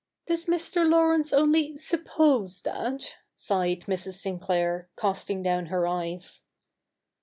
' Does Mr Laurence only suppose that ?' sighed Mrs. Sinclair, casting down her eyes.